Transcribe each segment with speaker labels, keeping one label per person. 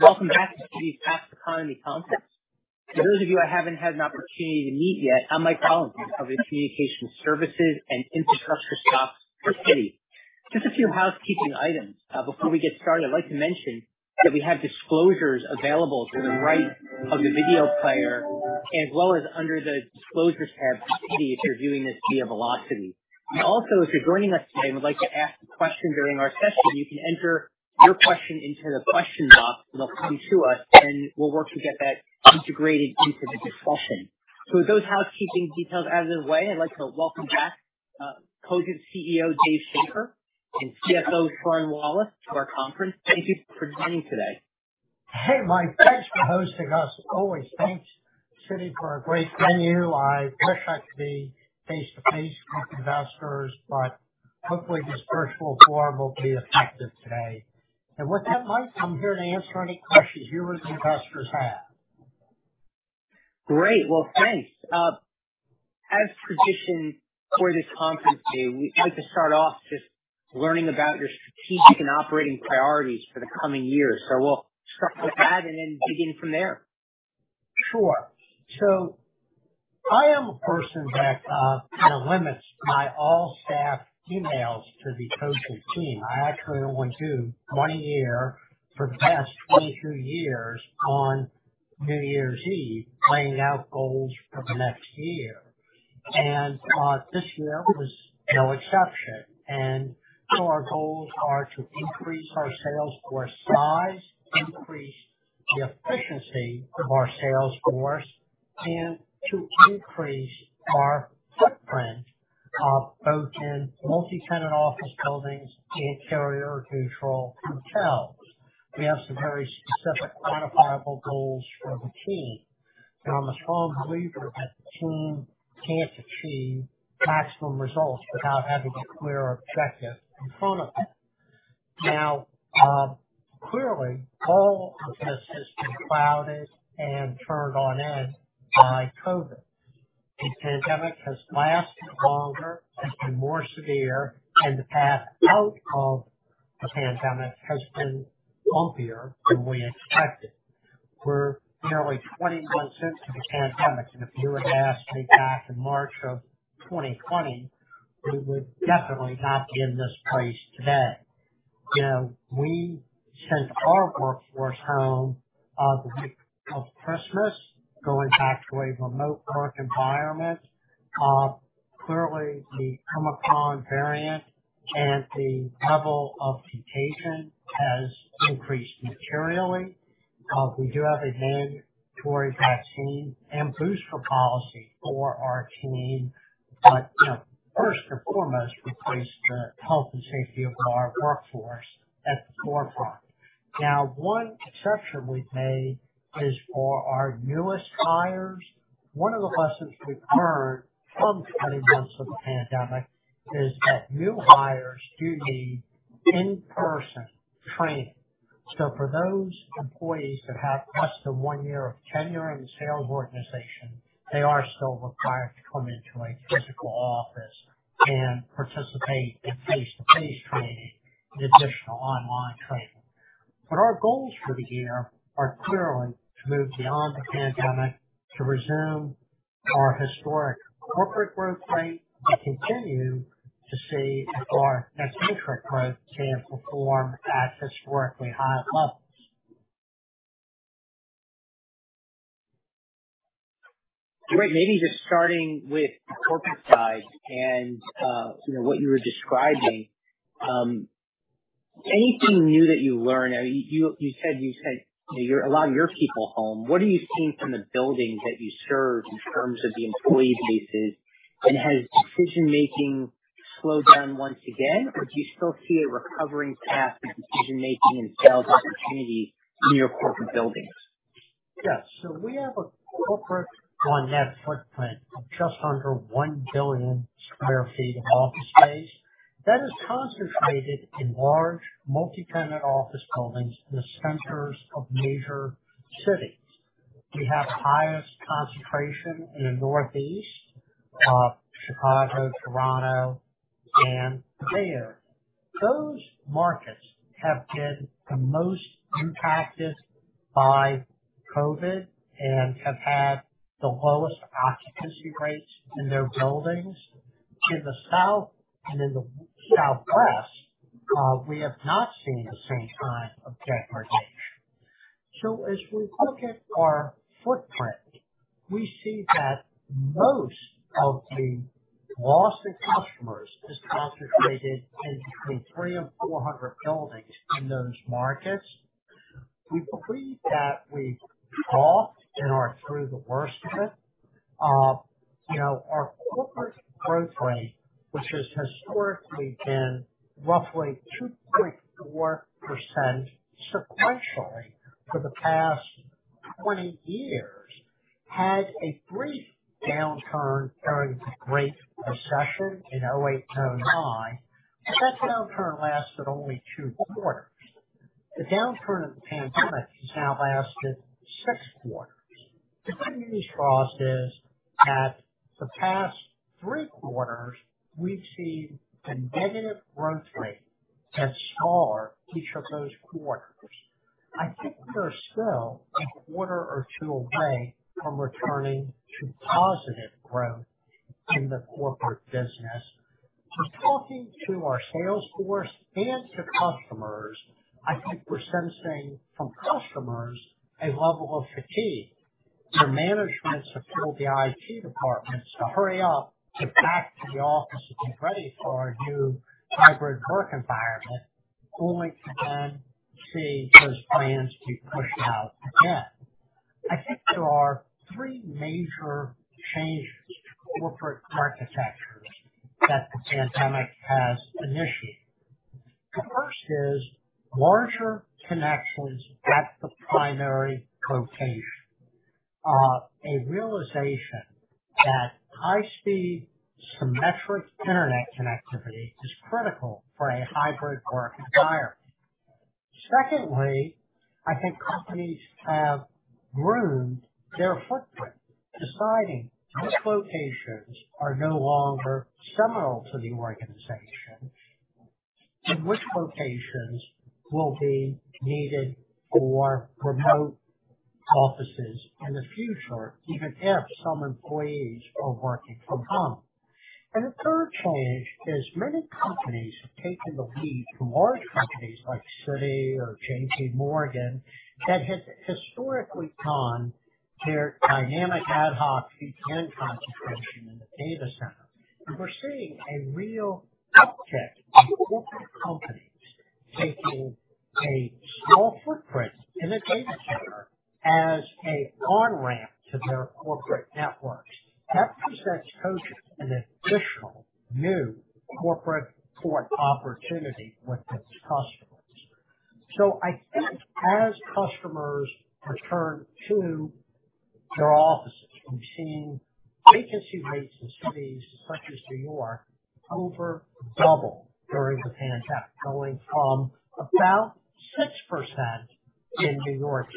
Speaker 1: Welcome back to the AppsEconomy conference. For those of you I haven't had an opportunity to meet yet, I'm Mike Rollins, Head of the communication services and infrastructure stock for Citi. Just a few housekeeping items before we get started. I'd like to mention that we have disclosures available to the right of the video player as well as under the disclosures tab for Citi if you're viewing this via Velocity. Also, if you're joining us today and would like to ask a question during our session, you can enter your question into the question box and it'll come to us and we'll work to get that integrated into the discussion. With those housekeeping details out of the way, I'd like to welcome back Cogent CEO Dave Schaeffer and CFO Sean Wallace to our conference. Thank you for joining today.
Speaker 2: Hey, Mike. Thanks for hosting us. As always, thanks, Citi, for a great venue. I wish I could be face-to-face with investors, but hopefully this virtual forum will be effective today. With that, Mike, I'm here to answer any questions you or the investors have.
Speaker 1: Great. Well, thanks. As is tradition for this conference, Dave, we'd like to start off just learning about your strategic and operating priorities for the coming year. We'll start with that and then begin from there.
Speaker 2: I am a person that kind of limits my all staff emails to the Cogent team. I actually only do one a year for the past 22 years on New Year's Eve, laying out goals for the next year. This year was no exception. Our goals are to increase our sales force size, increase the efficiency of our sales force, and to increase our footprint both in multi-tenant office buildings and carrier hotels. We have some very specific quantifiable goals for the team, and I'm a strong believer that the team can't achieve maximum results without having a clear objective in front of it. Now, clearly, all of this has been clouded and turned on end by COVID. The pandemic has lasted longer and been more severe, and the path out of the pandemic has been bumpier than we expected. We're nearly 20 months into the pandemic, and if you had asked me back in March of 2020, we would definitely not be in this place today. You know, we sent our workforce home, the week of Christmas, going back to a remote work environment. Clearly the Omicron variant and the level of contagion has increased materially. You know, first and foremost, we place the health and safety of our workforce at the forefront. Now, one exception we've made is for our newest hires. One of the lessons we've learned from 20 months of the pandemic is that new hires do need in-person training. For those employees that have less than one year of tenure in the sales organization, they are still required to come into a physical office and participate in face-to-face training in addition to online training. Our goals for the year are clearly to move beyond the pandemic, to resume our historic corporate growth rate, and continue to see our next generation growth and perform at historically high levels.
Speaker 1: Great. Maybe just starting with the corporate side and, you know, what you were describing, anything new that you learned? Now, you said you allow your people home. What are you seeing from the buildings that you serve in terms of the employee bases, and has decision-making slowed down once again, or do you still see a recovering path in decision-making and sales opportunity in your corporate buildings?
Speaker 2: Yes. We have a corporate on-net footprint of just under 1 billion sq ft of office space that is concentrated in large multi-tenant office buildings in the centers of major cities. We have the highest concentration in the Northeast, Chicago, Toronto, and Bay Area. Those markets have been the most impacted by COVID and have had the lowest occupancy rates in their buildings. To the South and in the Southwest, we have not seen the same kind of degradation. As we look at our footprint, we see that most of the lost customers is concentrated in between 300-400 buildings in those markets. We believe that we've lost and are through the worst of it. You know, our corporate growth rate, which has historically been roughly 2.4% sequentially for the past 20 years, had a brief downturn during the Great Recession in 2008, 2009, but that downturn lasted only two quarters. The downturn of the pandemic has now lasted six quarters. The good news for us is that the past three quarters we've seen a negative growth rate at [STAR] each of those quarters. I think we are still a quarter or two away from returning to positive growth in the corporate business. From talking to our sales force and to customers, I think we're sensing from customers a level of fatigue. The management supported the IT departments to hurry up to get back to the office to get ready for a new hybrid work environment, only to then see those plans be pushed out again. I think there are three major changes to corporate architectures that the pandemic has initiated. The first is larger connections at the primary location. A realization that high-speed symmetric internet connectivity is critical for a hybrid work environment. Secondly, I think companies have pruned their footprint, deciding which locations are no longer seminal to the organization and which locations will be needed for remote offices in the future, even if some employees are working from home. The third change is many companies have taken the lead from large companies like Citi or JPMorgan that have historically gone their dynamic ad hoc VPN concentrator in the data center. We're seeing a real uptick in corporate companies taking a small footprint in the data center as an on-ramp to their corporate networks. That presents Cogent an additional new corporate port opportunity with these customers. I think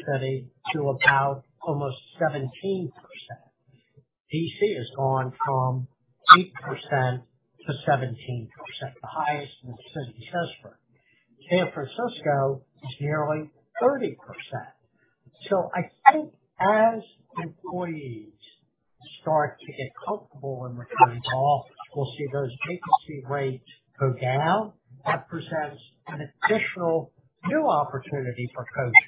Speaker 2: as customers return to their offices, we've seen vacancy rates in cities such as New York over double during the pandemic, going from about 6% in New York City to about almost 17%. D.C. has gone from 8% to 17%, the highest in the city's history. San Francisco is nearly 30%. I think as employees start to get comfortable in returning to office, we'll see those vacancy rates go down. That presents an additional new opportunity for Cogent,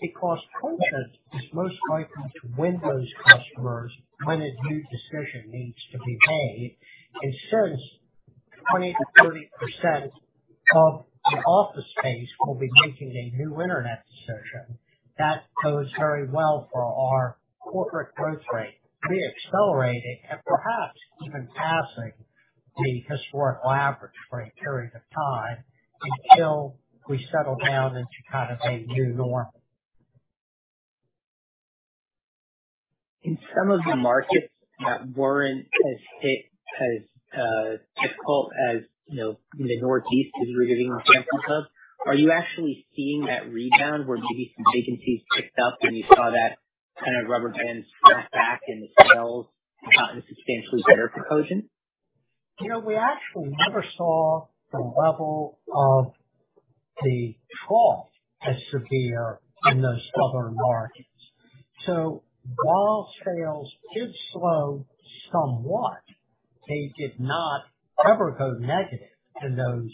Speaker 2: because Cogent is most likely to win those customers when a new decision needs to be made. Since 20%-30% of the office space will be making a new internet decision, that bodes very well for our corporate growth rate, re-accelerating and perhaps even passing the historical average for a period of time until we settle down into kind of a new norm.
Speaker 1: In some of the markets that weren't as hit as difficult as, you know, in the Northeast, as we were getting examples of, are you actually seeing that rebound where maybe some vacancies picked up and you saw that kind of rubber band snap back and the sales got into substantially better proportion?
Speaker 2: You know, we actually never saw the level of the trough as severe in those southern markets. While sales did slow somewhat, they did not ever go negative in those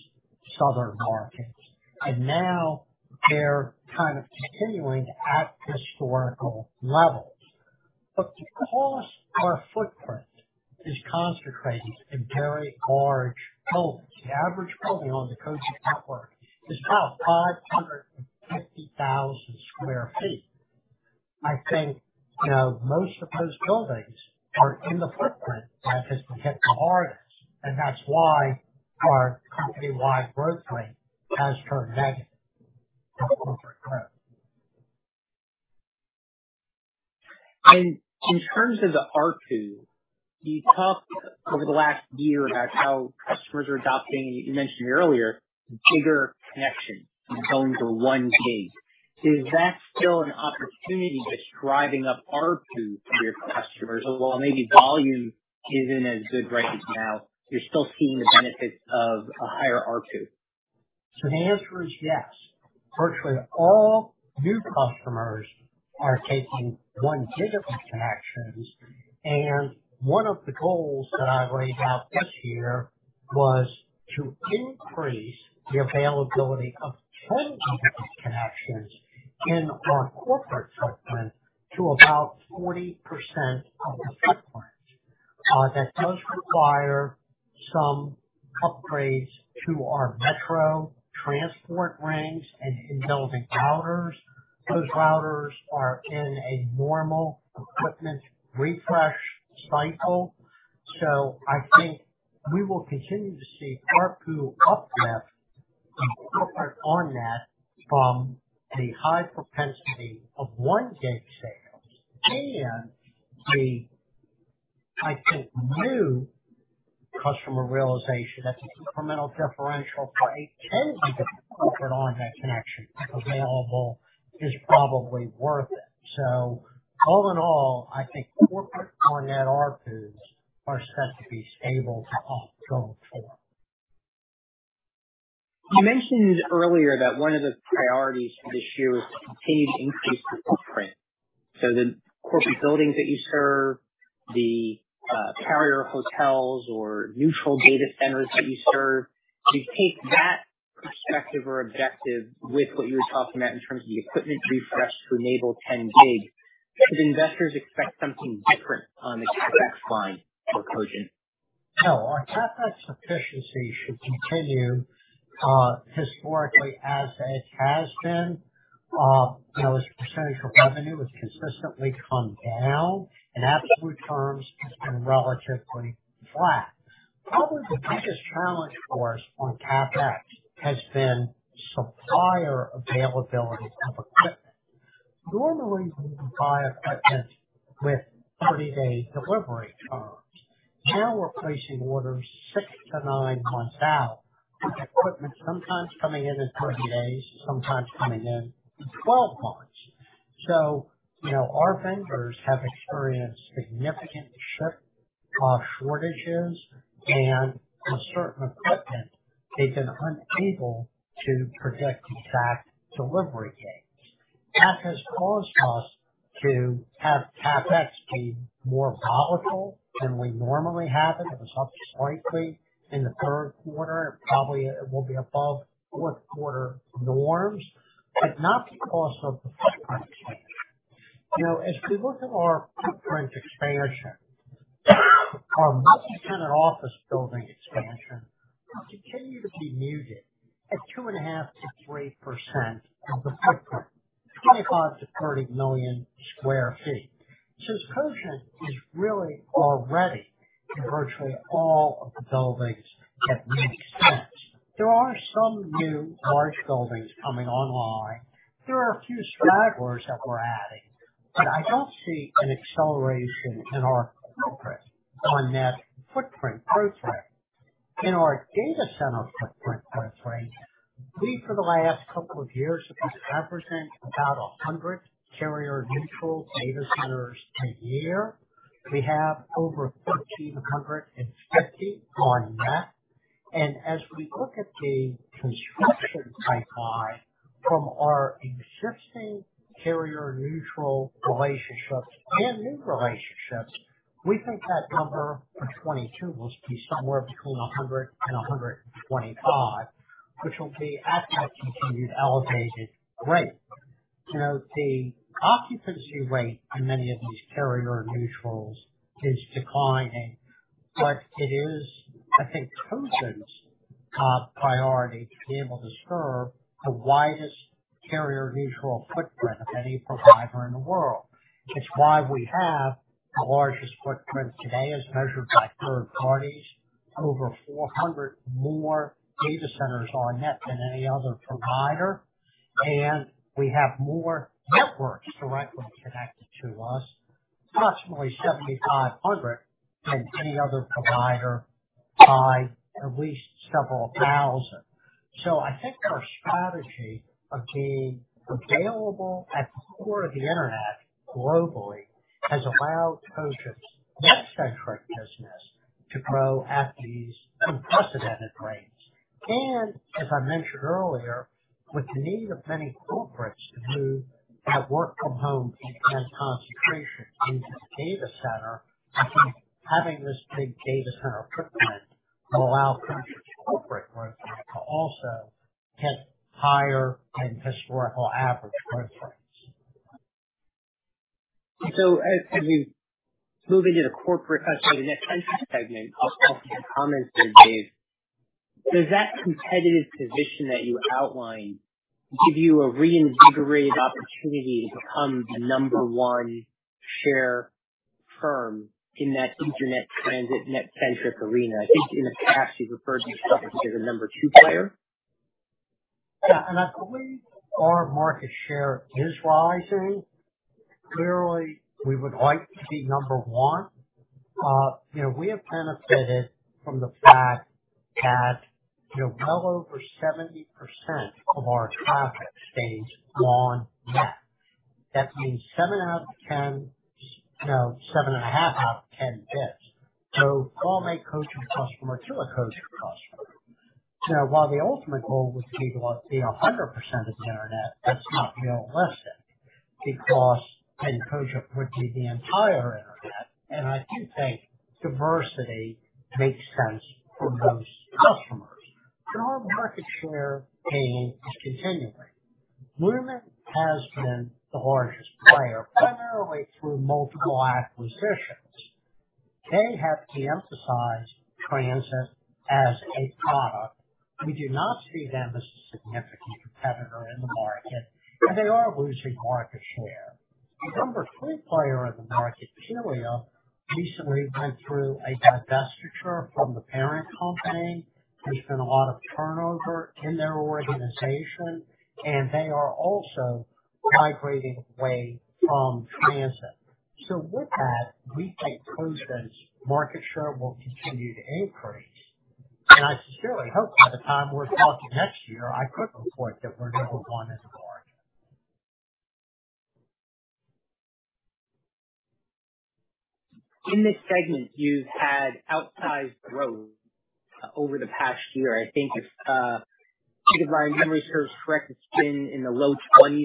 Speaker 2: southern markets. Now they're kind of continuing at historical levels. Because our footprint is concentrated in very large buildings, the average building on the Cogent network is about 550,000 sq ft. I think, you know, most of those buildings are in the footprint that has been hit the hardest, and that's why our company-wide growth rate has turned negative for corporate growth.
Speaker 1: In terms of the ARPU, you talked over the last year about how customers are adopting, you mentioned earlier, bigger connection and going for one gig. Is that still an opportunity just driving up ARPU for your customers? Well, maybe volume isn't as good right now. You're still seeing the benefits of a higher ARPU.
Speaker 2: The answer is yes. Virtually all new customers are taking 1 Gb connections. One of the goals that I laid out this year was to increase the availability of 10 Gb connections in our corporate footprint to about 40% of the footprint. That does require some upgrades to our metro transport rings and in-building routers. Those routers are in a normal equipment refresh cycle. I think we will continue to see ARPU uplift in corporate on net from the high propensity of 1 gig sales and the. I think new customer realization at the incremental differential for a 10-gig corporate on net connection available is probably worth it. All in all, I think corporate on net ARPU are set to be stable to up going forward.
Speaker 1: You mentioned earlier that one of the priorities for this year was to continue to increase the footprint. The corporate buildings that you serve, the carrier hotels or neutral data centers that you serve. Do you take that perspective or objective with what you were talking about in terms of the equipment refresh to enable 10 gig? Should investors expect something different on the CapEx line for Cogent?
Speaker 2: No. Our CapEx efficiency should continue, historically as it has been. You know, as a percentage of revenue has consistently come down. In absolute terms, it's been relatively flat. Probably the biggest challenge for us on CapEx has been supplier availability of equipment. Normally, we would buy equipment with 30-day delivery terms. Now we're placing orders six-nine months out, with equipment sometimes coming in 30 days, sometimes coming in 12 months. You know, our vendors have experienced significant chip shortages. With certain equipment they've been unable to predict exact delivery dates. That has caused us to have CapEx be more volatile than we normally have it. It was up slightly in the third quarter. It probably will be above fourth quarter norms, but not because of the footprint expansion. You know, as we look at our footprint expansion, our multi-tenant office building expansion will continue to be muted at 2.5%-3% of the footprint, 25-30 million sq ft. Since Cogent is really already in virtually all of the buildings that make sense, there are some new large buildings coming online. There are a few stragglers that we're adding, but I don't see an acceleration in our corporate on-net footprint growth rate. In our data center footprint growth rate, we for the last couple of years have been traversing about 100 carrier-neutral data centers a year. We have over 1,450 on-net. As we look at the construction pipeline from our existing carrier-neutral relationships and new relationships, we think that number for 2022 will be somewhere between 100 and 125, which will be at that continued elevated rate. You know, the occupancy rate in many of these carrier-neutral is declining, but it is, I think, Cogent's top priority to be able to serve the widest carrier-neutral footprint of any provider in the world. It's why we have the largest footprint today as measured by third parties. Over 400 more data centers on-net than any other provider, and we have more networks directly connected to us, approximately 7,500 than any other provider by at least several thousand. I think our strategy of being available at the core of the Internet globally has allowed Cogent's net centric business to grow at these unprecedented rates. As I mentioned earlier, with the need of many corporates to do that work from home intense concentration into the data center, I think having this big data center footprint will allow Cogent's corporate growth to also hit higher than historical average footprints.
Speaker 1: As we move into the corporate customer, the net centric segment. I'll come to your comments there, Dave. Does that competitive position that you outlined give you a reinvigorated opportunity to become the number one share firm in that internet transit net centric arena? I think in the past you've referred to yourself as the number two player.
Speaker 2: Yeah. I believe our market share is rising. Clearly, we would like to be number one. We have benefited from the fact that well over 70% of our traffic stays on net. That means seven out of 10, 7.5 out of 10 bits. Call a Cogent customer to a Cogent customer. While the ultimate goal would be to be 100% of the Internet, that's not realistic because then Cogent would be the entire Internet. I do think diversity makes sense for most customers. Our market share gain is continuing. Lumen has been the largest player, primarily through multiple acquisitions. They have de-emphasized transit as a product. We do not see them as a significant competitor in the market, and they are losing market share. The number three player in the market, PEO, recently went through a divestiture from the parent company. There's been a lot of turnover in their organization and they are also migrating away from transit. With that, we think Cogent's market share will continue to increase. I surely hope by the time we're talking next year, I could report that we're number one as a market.
Speaker 1: In this segment, you've had outsized growth over the past year. I think if my memory serves correct, it's been in the low 20s%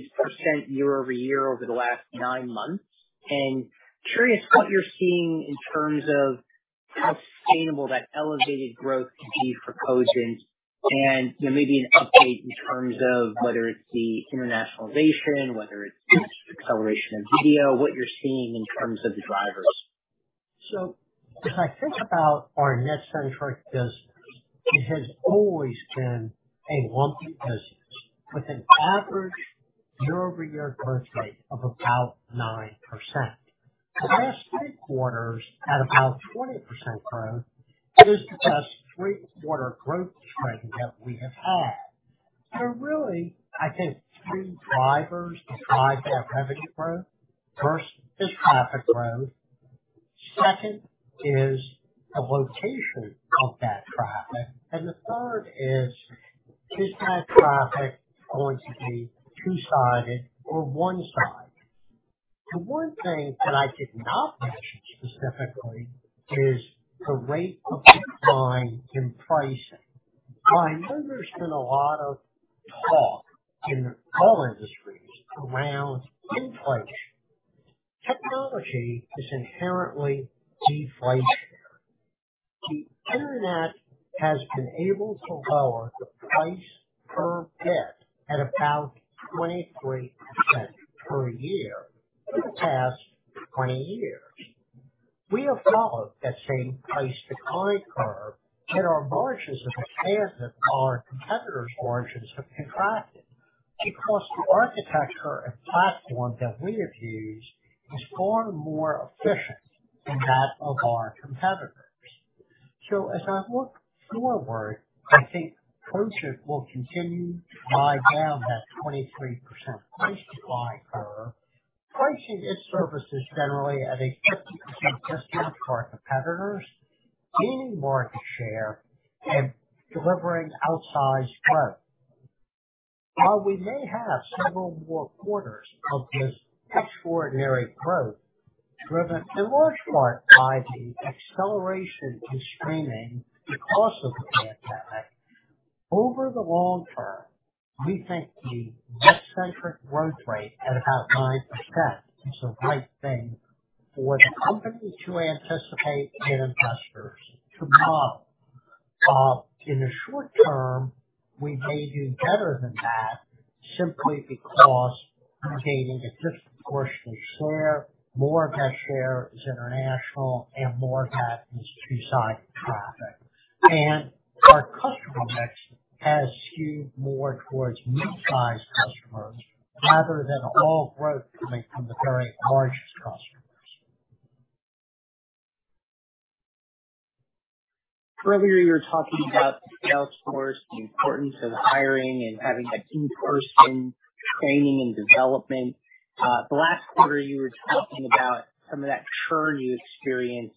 Speaker 1: year-over-year over the last nine months. Curious what you're seeing in terms of how sustainable that elevated growth can be for Cogent. You know, maybe an update in terms of whether it's the internationalization, whether it's acceleration of video, what you're seeing in terms of the drivers.
Speaker 2: If I think about our net-centric business, it has always been a lumpy business with an average year-over-year growth rate of about 9%. The last three quarters had about 20% growth. It is the best three-quarter growth trend that we have had. There are really, I think, three drivers to drive that revenue growth. First is traffic growth, second is the location of that traffic, and the third is that traffic going to be two-sided or one-sided? The one thing that I did not mention specifically is the rate of decline in pricing. I know there's been a lot of talk in all industries around inflation. Technology is inherently deflationary. The Internet has been able to lower the price per bit at about 23% per year for the past 20 years. We have followed that same price decline curve, and our margins have expanded while our competitors' margins have contracted because the architecture and platform that we have used is far more efficient than that of our competitors. As I look forward, I think Cogent will continue to drive down that 23% price decline curve, pricing its services generally at a 50% discount to our competitors, gaining market share and delivering outsized growth. While we may have several more quarters of this extraordinary growth, driven in large part by the acceleration in streaming because of the pandemic, over the long term, we think the net-centric growth rate at about 9% is the right thing for the company to anticipate and investors to model. In the short term, we may do better than that simply because we're gaining a disproportionate share. More of that share is international and more of that is two-sided traffic. Our customer mix has skewed more towards mid-sized customers rather than all growth coming from the very largest customers.
Speaker 1: Earlier, you were talking about the sales force, the importance of hiring and having that in-person training and development. The last quarter you were talking about some of that churn you experienced,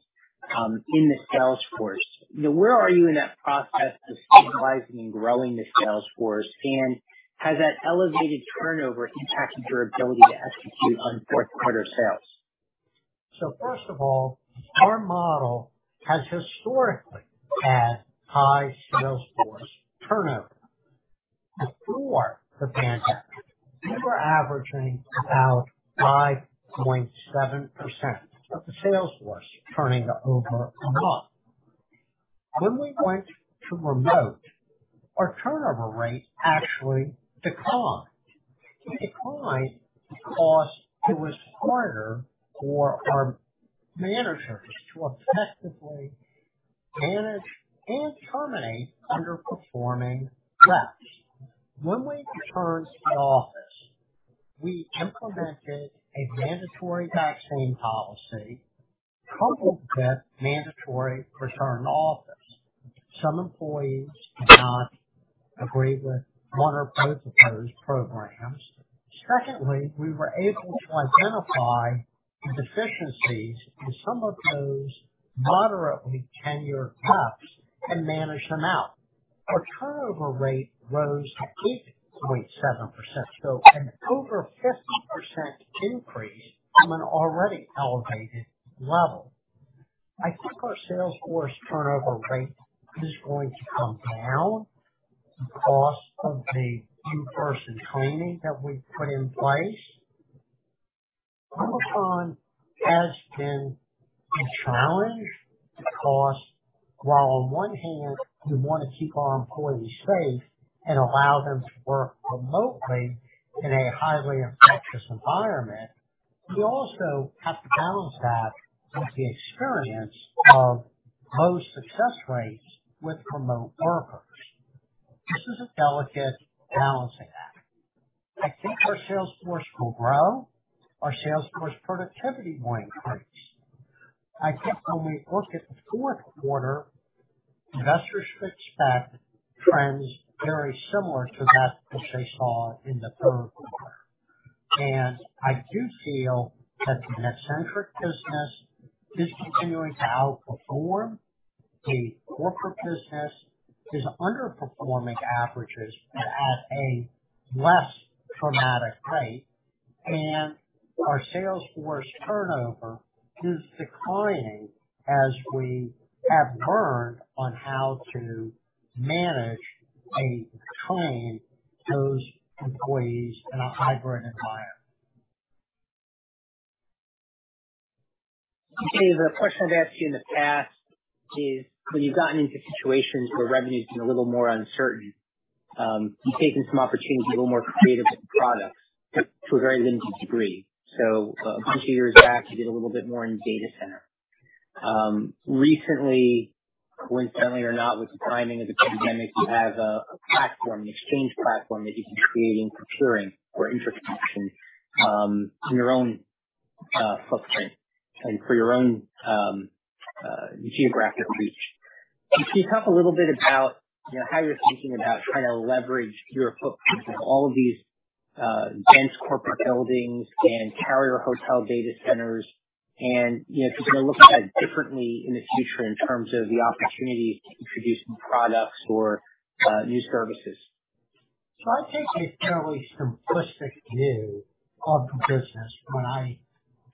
Speaker 1: in the sales force. You know, where are you in that process of stabilizing and growing the sales force? Has that elevated turnover impacted your ability to execute on fourth quarter sales?
Speaker 2: First of all, our model has historically had high sales force turnover. Before the pandemic, we were averaging about 5.7% of the sales force turning over a month. When we went to remote, our turnover rate actually declined. It declined because it was harder for our managers to effectively manage and terminate underperforming reps. When we returned to the office, we implemented a mandatory vaccine policy coupled with mandatory return to office. Some employees did not agree with one or both of those programs. Secondly, we were able to identify the deficiencies in some of those moderately tenured reps and manage them out. Our turnover rate rose to 8.7%, so an over 50% increase from an already elevated level. I think our sales force turnover rate is going to come down because of the in-person training that we've put in place. Omicron has been a challenge because while on one hand we want to keep our employees safe and allow them to work remotely in a highly infectious environment, we also have to balance that with the experience of low success rates with remote workers. This is a delicate balancing act. I think our sales force will grow. Our sales force productivity will increase. I think when we look at the fourth quarter, investors should expect trends very similar to that which they saw in the third quarter. I do feel that the NetCentric business is continuing to outperform. The corporate business is underperforming averages at a less dramatic rate, and our sales force turnover is declining as we have learned on how to manage and retain those employees in a hybrid environment.
Speaker 1: Okay. The question I've asked you in the past is when you've gotten into situations where revenue has been a little more uncertain, you've taken some opportunities, a little more creative with the products to a very limited degree. A bunch of years back, you did a little bit more in data center. Recently, coincidentally or not, with the timing of the pandemic, you have a platform, an exchange platform that you've been creating, procuring for interconnection, in your own footprint and for your own geographic reach. Can you talk a little bit about, you know, how you're thinking about trying to leverage your footprint in all of these, dense corporate buildings and carrier hotel data centers and, you know, if you're gonna look at that differently in the future in terms of the opportunity to introduce new products or, new services?
Speaker 2: I take a fairly simplistic view of the business when I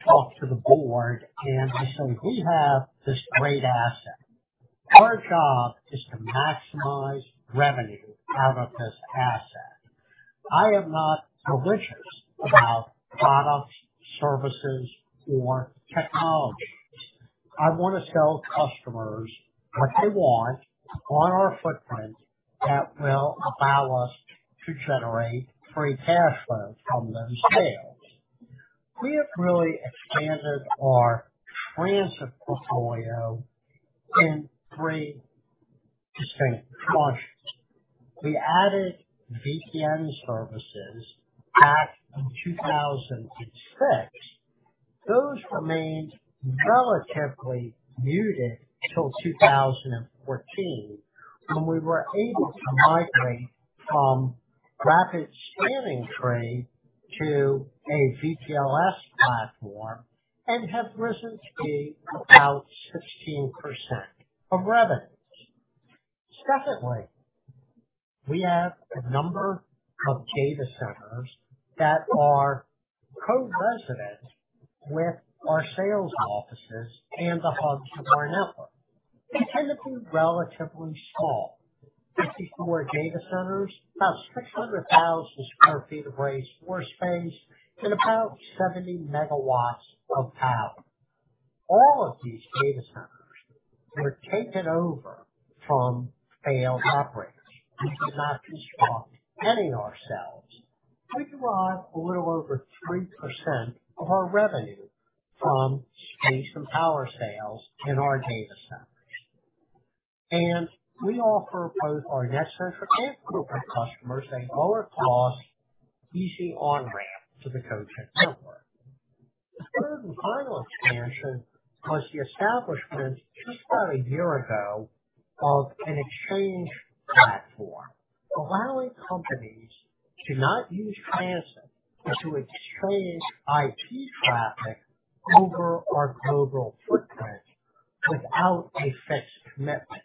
Speaker 2: talk to the board and I say, we have this great asset. Our job is to maximize revenue out of this asset. I am not religious about products, services or technologies. I want to sell customers what they want on our footprint that will allow us to generate free cash flow from those sales. We have really expanded our transit portfolio in three distinct projects. We added VPN services back in 2006. Those remained relatively muted till 2014 when we were able to migrate from rapid spanning tree to a VPLS platform and have risen to be about 16% of revenues. Secondly, we have a number of data centers that are co-resident with our sales offices and the hubs of our network. They tend to be relatively small. 54 data centers, about 600,000 sq ft of raised floor space and about 70 MW of power. All of these data centers were taken over from failed operators. We did not construct any ourselves. We derive a little over 3% of our revenue from space and power sales in our data centers. We offer both our NetCentric and corporate customers a lower cost, easy on-ramp to the Cogent network. The third and final expansion was the establishment just about a year ago of an exchange platform allowing companies to not use transit, but to exchange IP traffic over our global footprint without a fixed commitment.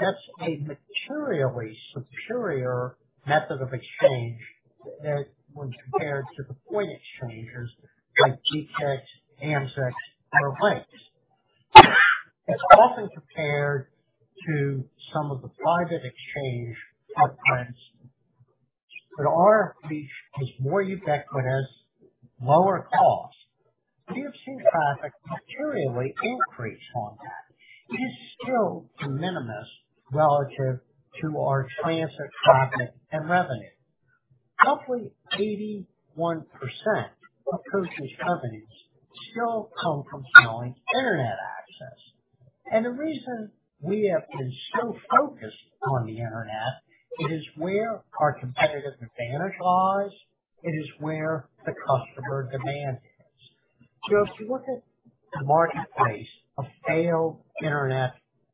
Speaker 2: That's a materially superior method of exchange that, when compared to the exchange points like DE-CIX, AMS-IX or LINX. It's often compared to some of the private exchange footprints, but our reach is more ubiquitous, lower cost. We have seen traffic materially increase on that. It is still de minimis relative to our transit traffic and revenue. Roughly 81% of Cogent's revenues still come from selling Internet access. The reason we have been so focused on the Internet, it is where our competitive advantage lies. It is where the customer demand is. If you look at the marketplace of failed Internet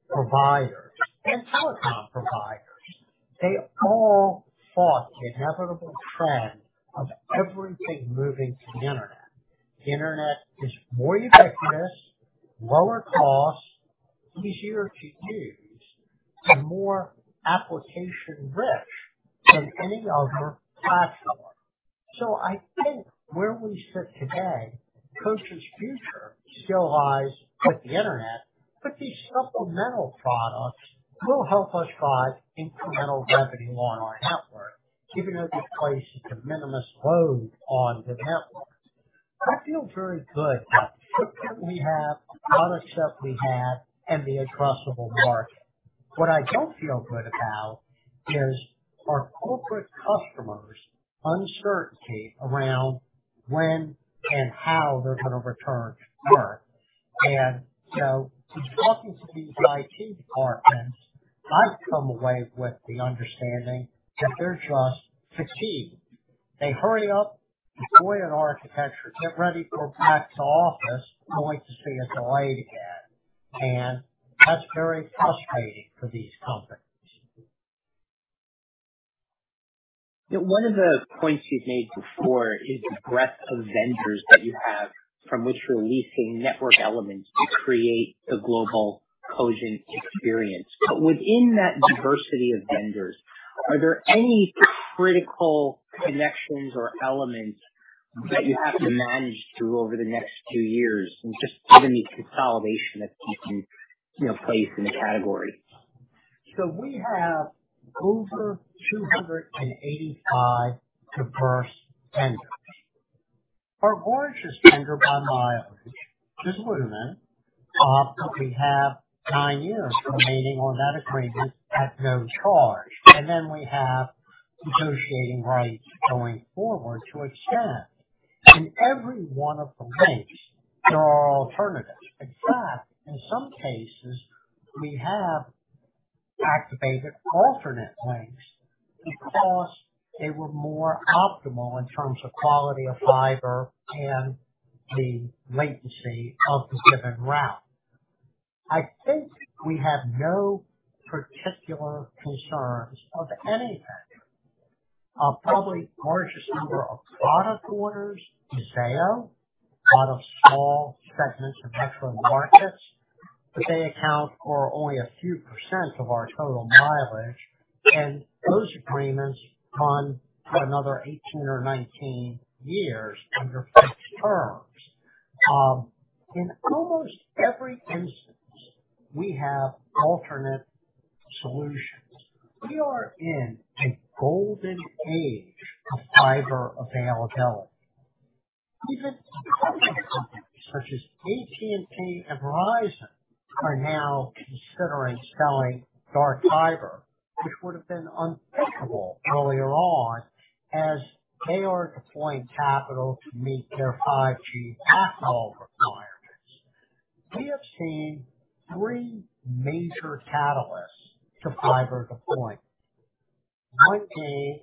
Speaker 2: providers and telecom providers, they all fought the inevitable trend of everything moving to the Internet. The Internet is more ubiquitous, lower cost, easier to use, and more application rich than any other platform. I think where we sit today, Cogent's future still lies with the Internet, but these supplemental products will help us drive incremental revenue on our network, giving it a place, it's a de minimis load on the network. I feel very good about the footprint we have, the product set we have and the addressable market. What I don't feel good about is our corporate customers uncertainty around when and how they're going to return to work. From talking to these IT departments, I've come away with the understanding that they're just fatigued. They hurry up, deploy an architecture, get ready for back to office, only to see it delayed again. That's very frustrating for these companies.
Speaker 1: One of the points you've made before is the breadth of vendors that you have from which you're leasing network elements to create the global Cogent experience. Within that diversity of vendors, are there any critical connections or elements that you have to manage through over the next two years, just given the consolidation that's taking, you know, place in the category?
Speaker 2: We have over 285 diverse vendors. Our largest vendor by mileage is Lumen. We have nine years remaining on that agreement at no charge, and then we have negotiating rights going forward to extend. In every one of the links, there are alternatives. In fact, in some cases, we have activated alternate links because they were more optimal in terms of quality of fiber and the latency of the given route. I think we have no particular concerns of any vendor. Probably largest number of product orders is Zayo. A lot of small segments of metro markets, but they account for only a few percent of our total mileage, and those agreements run for another 18 or 19 years under fixed terms. In almost every instance, we have alternate solutions. We are in a golden age of fiber availability. Even public companies such as AT&T and Verizon are now considering selling dark fiber, which would have been unthinkable earlier on as they are deploying capital to meet their 5G backhaul requirements. We have seen three major catalysts to fiber deployment. One being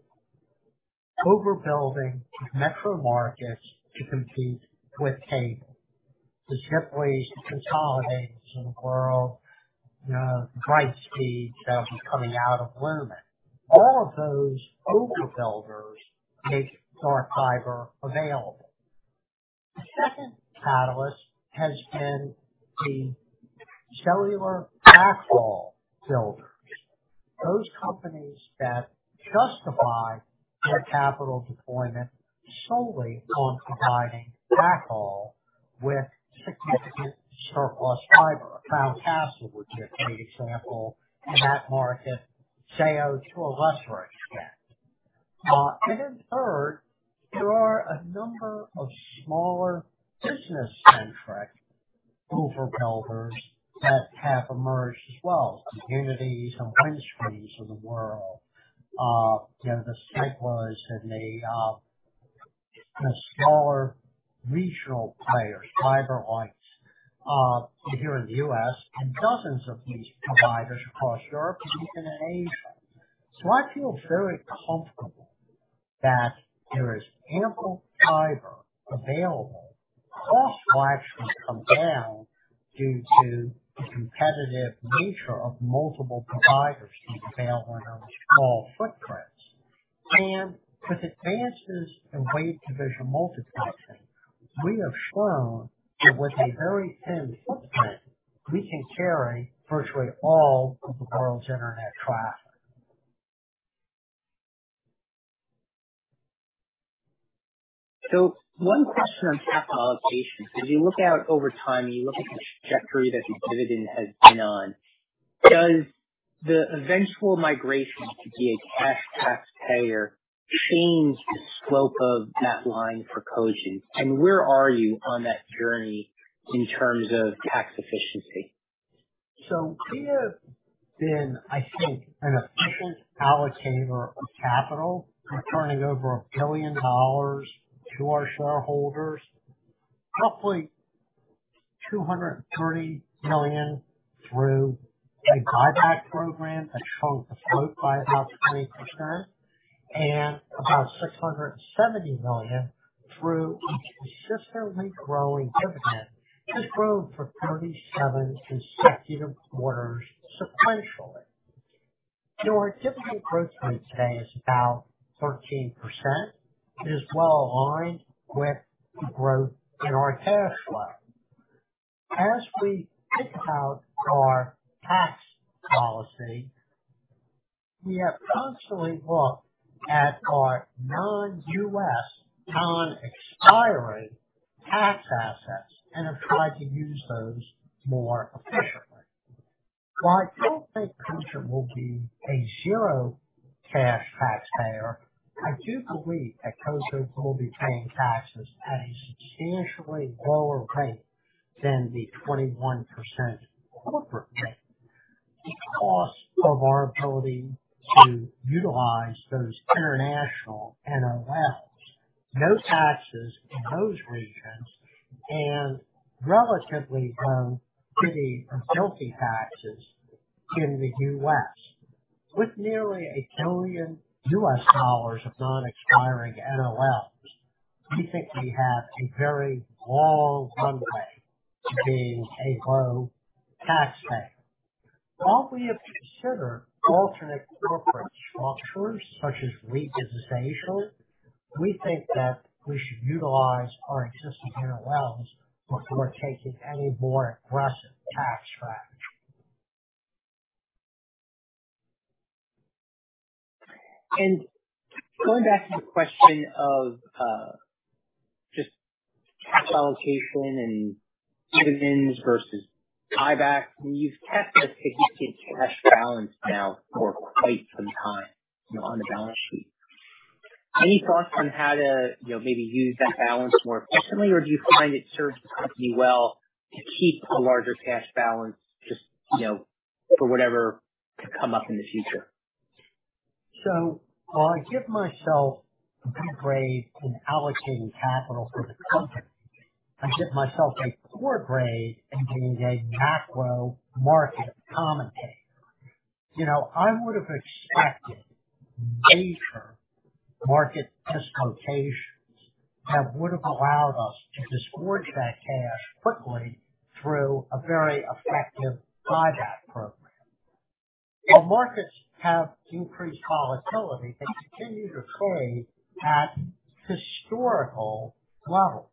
Speaker 2: overbuilding metro markets to compete with cable. The second reason is consolidation of the world, drive speeds that was coming out of Lumen. All of those overbuilders make dark fiber available. The second catalyst has been the cellular backhaul builders. Those companies that justify their capital deployment solely on providing backhaul with significant surplus fiber. Crown Castle would be a great example in that market, Zayo to a lesser extent. And then third, there are a number of smaller business centric overbuilders that have emerged as well. Uniti and Windstream of the world. You know, the Segra and the smaller regional players, FiberLight, here in the U.S. and dozens of these providers across Europe and even in Asia. I feel very comfortable that there is ample fiber available. Costs will actually come down due to the competitive nature of multiple providers competing on small footprints. With advances in wavelength division multiplexing, we have shown that with a very thin footprint, we can carry virtually all of the world's internet traffic.
Speaker 1: One question on capital allocation, as you look out over time and you look at the trajectory that your dividend has been on, does the eventual migration to be a cash taxpayer change the scope of that line for Cogent? Where are you on that journey in terms of tax efficiency?
Speaker 2: We have been, I think, an efficient allocator of capital, returning over a billion dollars to our shareholders, roughly $230 million through a buyback program that shrunk the float by about 20% and about $670 million through a consistently growing dividend that's grown for 37 consecutive quarters sequentially. Our dividend growth rate today is about 13%. It is well aligned with the growth in our cash flow. As we think about our tax policy, we have constantly looked at our non-U.S. non-expiring tax assets and have tried to use those more efficiently. While I don't think Cogent will be a zero cash taxpayer, I do believe that Cogent will be paying taxes at a substantially lower rate than the 21% corporate rate because of our ability to utilize those international NOLs. No taxes in those regions and relatively low city and county taxes in the U.S. With nearly a trillion U.S. Dollars of non-expiring NOLs, we think we have a very long runway to being a low tax rate. While we have considered alternate corporate structures such as REIT conversions, we think that we should utilize our existing NOLs before taking any more aggressive tax strategy.
Speaker 1: Going back to the question of, just cash allocation and dividends versus buybacks, you've kept a significant cash balance now for quite some time, you know, on the balance sheet. Any thoughts on how to, you know, maybe use that balance more effectively, or do you find it serves the company well to keep a larger cash balance just, you know, for whatever could come up in the future?
Speaker 2: While I give myself a good grade in allocating capital for the company, I give myself a poor grade in being a macro market commentator. You know, I would have expected major market dislocations that would have allowed us to disgorge that cash quickly through a very effective buyback program. While markets have increased volatility, they continue to trade at historical levels.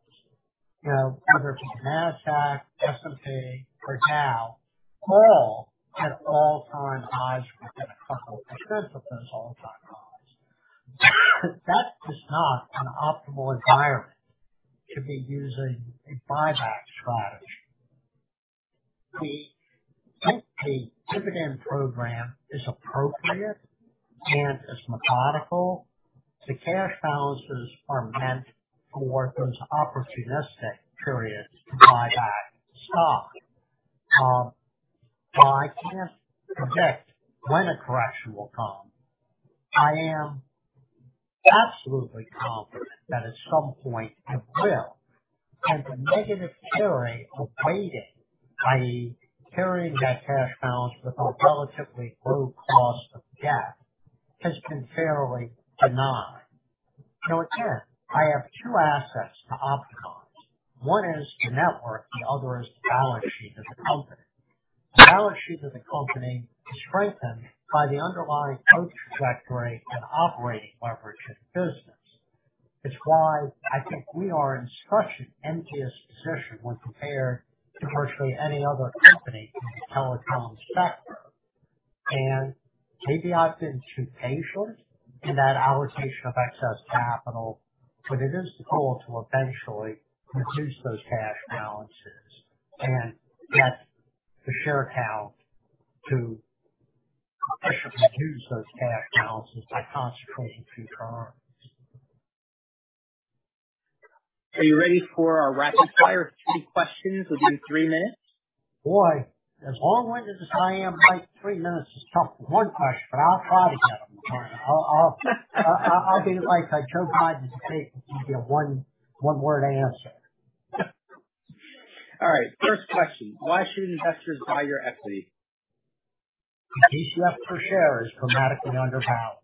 Speaker 2: You know, whether it's the Nasdaq, S&P or Dow, all at all-time highs within a couple of % of those all-time highs. That is not an optimal environment to be using a buyback strategy. We think the dividend program is appropriate and is methodical. The cash balances are meant for those opportunistic periods to buy back stock. While I can't predict when a correction will come, I am absolutely confident that at some point it will. The negative carry of waiting, i.e., carrying that cash balance with a relatively low cost of debt has been fairly denied. Again, I have two assets to optimize. One is the network, the other is the balance sheet of the company. The balance sheet of the company is strengthened by the underlying growth trajectory and operating leverage of the business. It's why I think we are in such an envious position when compared to virtually any other company in the telecom spectrum. Maybe I've been too patient in that allocation of excess capital, but it is the goal to eventually reduce those cash balances and get the share count to sufficiently reduce those cash balances by concentrating share counts.
Speaker 1: Are you ready for our rapid fire three questions within three minutes?
Speaker 2: Boy, as long-winded as I am, Mike, three minutes is tough for one question, but I'll try to get them. I'll be like I choke five to give you a one-word answer.
Speaker 1: All right, first question. Why should investors buy your equity?
Speaker 2: The FCF per share is dramatically underpowered.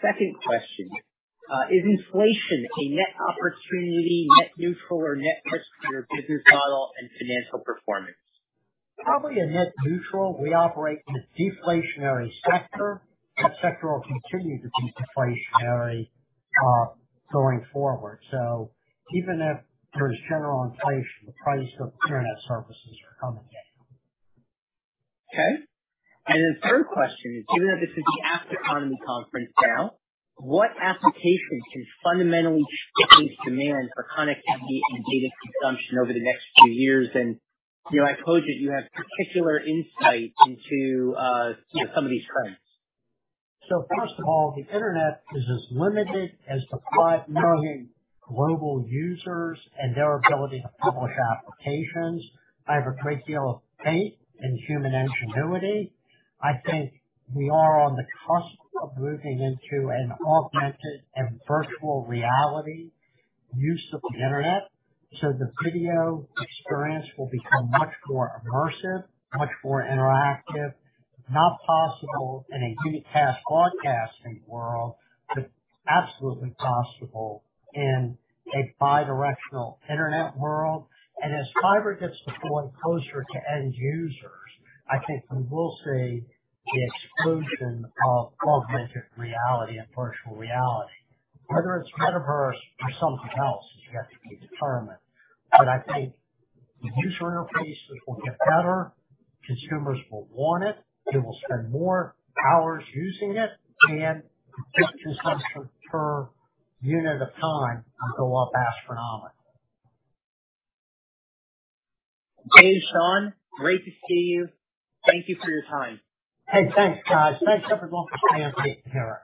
Speaker 1: Second question. Is inflation a net opportunity, net neutral or net risk for your business model and financial performance?
Speaker 2: Probably a net neutral. We operate in a deflationary sector. That sector will continue to be deflationary, going forward. Even if there's general inflation, the price of Internet services are coming down.
Speaker 1: Okay. Third question is, given that this is the AppsEconomy Conference now, what applications can fundamentally shift these demands for connectivity and data consumption over the next few years? You know, I pose it, you have particular insight into, you know, some of these trends.
Speaker 2: First of all, the Internet is as limited as the five million global users and their ability to publish applications. I have a great deal of faith in human ingenuity. I think we are on the cusp of moving into an augmented and virtual reality use of the Internet. The video experience will become much more immersive, much more interactive. Not possible in a unicast broadcasting world, but absolutely possible in a bi-directional Internet world. As fiber gets deployed closer to end users, I think we will see the explosion of augmented reality and virtual reality. Whether it's Metaverse or something else, you have to keep it fun. I think the user interfaces will get better, consumers will want it, they will spend more hours using it, and data consumption per unit of time will go up astronomically.
Speaker 1: Okay, Sean, great to see you. Thank you for your time.
Speaker 3: Hey, thanks, guys. Thanks everyone for staying up late. Take care.